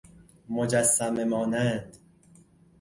مجسمه مانند